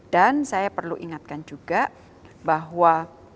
dan saya perlu ingatkan juga bahwa